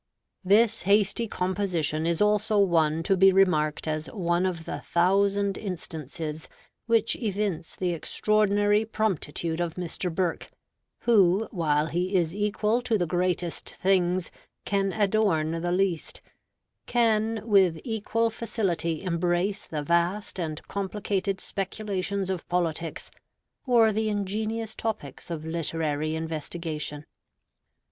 This hasty composition is also one to be remarked as one of the thousand instances which evince the extraordinary promptitude of Mr. Burke; who, while he is equal to the greatest things, can adorn the least; can with equal facility embrace the vast and complicated speculations of politics or the ingenious topics of literary investigation.